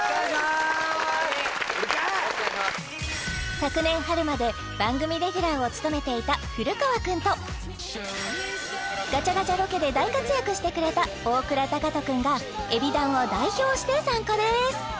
昨年春まで番組レギュラーを務めていた古川君とガチャガチャロケで大活躍してくれた大倉空人君がＥＢｉＤＡＮを代表して参加です